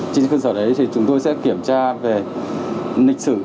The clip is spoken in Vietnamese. trên cơ sở đấy thì chúng tôi sẽ kiểm tra về lịch sử